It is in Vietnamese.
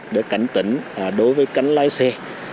để cảnh tỉnh đối với cánh lái xe